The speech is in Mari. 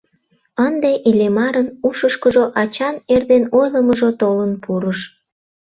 Ынде Иллимарын ушышкыжо ачан эрден ойлымыжо толын пурыш.